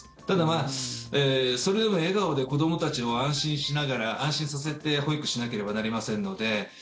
ただ、それでも笑顔で子どもたちを安心させて保育しなければなりませんので。